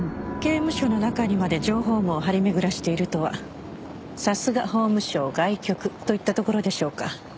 刑務所の中にまで情報網張り巡らしているとはさすが法務省外局といったところでしょうか。